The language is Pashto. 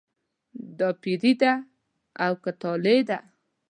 دا پیري ده او که طالع ده.